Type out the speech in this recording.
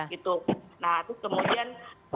gitu nah terus kemudian